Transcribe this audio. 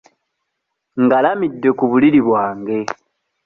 Ngalamidde ku buliri bwange.